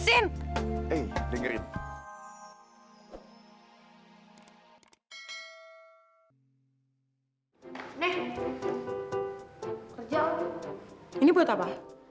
ini buat apa